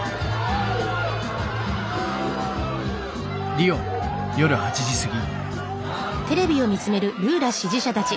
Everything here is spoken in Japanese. リオ夜８時過ぎ。